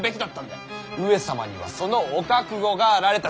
上様にはそのお覚悟があられた。